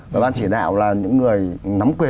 và ban chỉ đạo là những người nắm quyền